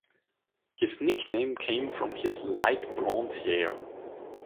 His nickname came from his light blond hair.